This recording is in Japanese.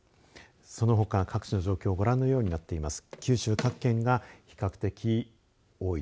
そのほか各地の状況、ご覧のようになっています。